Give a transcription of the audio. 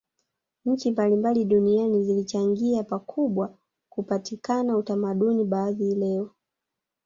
Nchi mbalimbali duniani zilichangia pakubwa kupatikana utamaduni baadhi leo